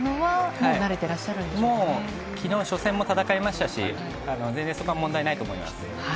もう、きのう、初戦も戦いましたし、全然そこは問題ないと思います。